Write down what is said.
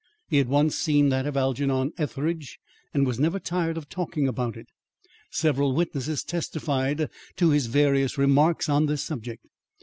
He had once seen that of Algernon Etheridge, and was never tired of talking about it. Several witnesses testified to his various remarks on this subject.